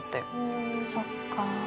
そっか。